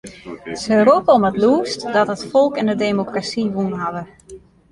Se roppe om it lûdst dat it folk en de demokrasy wûn hawwe.